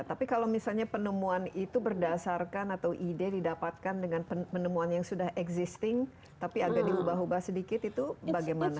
tapi kalau misalnya penemuan itu berdasarkan atau ide didapatkan dengan penemuan yang sudah existing tapi agak diubah ubah sedikit itu bagaimana